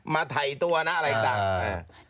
ไถ่ตัวนะอะไรต่าง